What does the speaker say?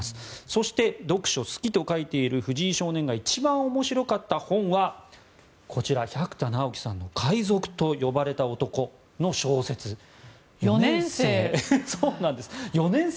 そして、読書が好きと書いている藤井少年が一番面白かった本はこちら、百田尚樹さんの「海賊とよばれた男」の小説４年生。